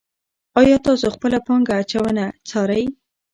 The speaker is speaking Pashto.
آیا تاسو خپله پانګه اچونه څارئ.